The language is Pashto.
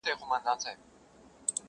دا لالونه، غرونه، غرونه دمن زما دی!